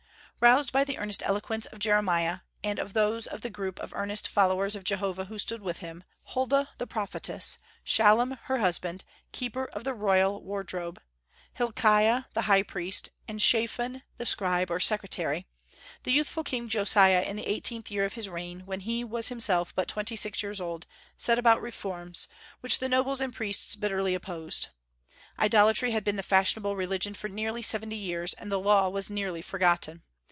Roused by the earnest eloquence of Jeremiah, and of those of the group of earnest followers of Jehovah who stood with him, Huldah the prophetess, Shallum her husband, keeper of the royal wardrobe, Hilkiah the high priest, and Shaphan the scribe, or secretary, the youthful king Josiah, in the eighteenth year of his reign, when he was himself but twenty six years old, set about reforms, which the nobles and priests bitterly opposed. Idolatry had been the fashionable religion for nearly seventy years, and the Law was nearly forgotten.